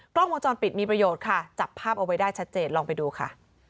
กล้องวงจรปิดมีประโยชน์ค่ะจับภาพเอาไว้ได้ชัดเจนลองไปดูค่ะ